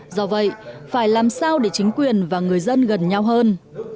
do vậy phải làm sao để chính quyền và người dân gần nhau hơn